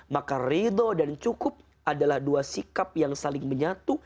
maka ridho dan cukup adalah dua sikap yang saling menyatu